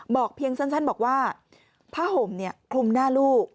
เพียงสั้นบอกว่าผ้าห่มคลุมหน้าลูก